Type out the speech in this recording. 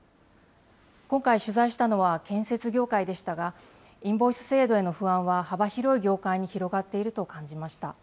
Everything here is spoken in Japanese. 今回取材したのは建設業界でしたが、インボイス制度への不安は幅広い業界に広がっていると感じました。